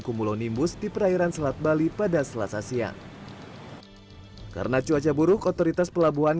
kumulonimbus di perairan selat bali pada selasa siang karena cuaca buruk otoritas pelabuhan